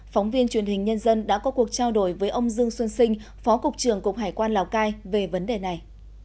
phóng viên truyền hình nhân dân đã có cuộc trao đổi với ông dương xuân sinh phó cục trưởng cục hải quan lào cai về vấn đề này